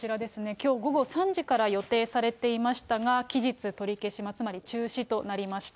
きょう午後３時から予定されていましたが、期日取り消し、つまり中止となりました。